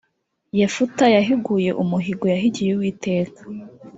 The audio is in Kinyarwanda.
yefuta yahiguye umuhigo yahigiye uwiteka